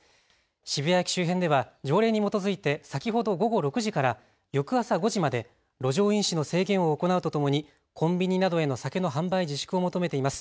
渋谷駅周辺では条例に基づいて先ほど午後６時から翌朝５時まで路上飲酒の制限を行うとともにコンビニなどへの酒の販売自粛を求めています。